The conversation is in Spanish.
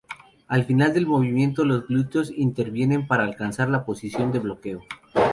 Al final del movimiento los glúteos intervienen para alcanzar la posición de bloqueo.